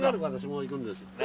私も行くんです。